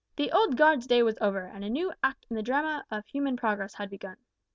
The old guard's day was over, and a new act in the drama of human progress had begun.